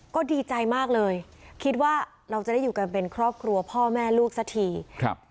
ก็ดีใจมากเลยคิดว่าเราจะได้อยู่กันเป็นครอบครัวพ่อแม่ลูกสักทีครับ